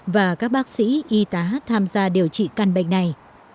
và các bác sĩ y tá tham gia điều trị căn bệnh này